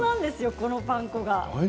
このパン粉が。